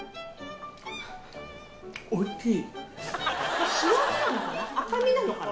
おいしい！